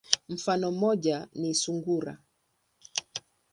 Mfano moja ni sungura.